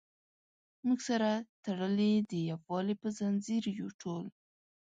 موږ سره تړلي د یووالي په زنځیر یو ټول.